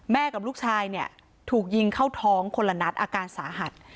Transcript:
กับลูกชายเนี่ยถูกยิงเข้าท้องคนละนัดอาการสาหัส